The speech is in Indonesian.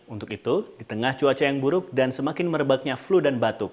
untuk itu di tengah cuaca yang buruk dan semakin merebaknya flu dan batuk